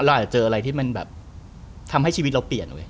เราอาจจะเจออะไรที่มันแบบทำให้ชีวิตเราเปลี่ยนเว้ย